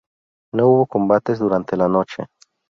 No hubo combates durante la noche.